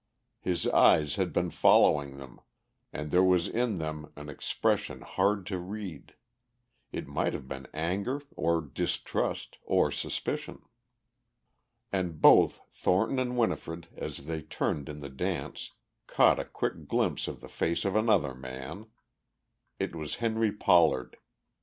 His eyes had been following them, and there was in them an expression hard to read. It might have been anger or distrust or suspicion. And both Thornton and Winifred as they turned in the dance caught a quick glimpse of the face of another man. It was Henry Pollard.